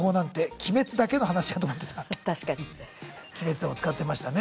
「鬼滅」でも使ってましたね。